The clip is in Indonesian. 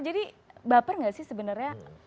jadi baper gak sih sebenarnya